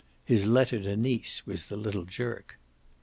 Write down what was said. His letter to Nice was the little jerk.